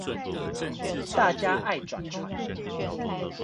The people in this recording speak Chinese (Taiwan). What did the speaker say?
大家愛轉傳